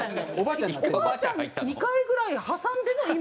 おばあちゃん２回ぐらい挟んでの今。